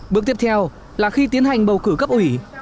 bước tiếp theo là khi tiến hành bầu cử cấp ủy